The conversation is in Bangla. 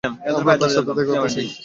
আমরা তার সাথে দেখা করতে চাই।